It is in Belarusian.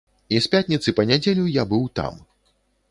І з пятніцы па нядзелю я быў там.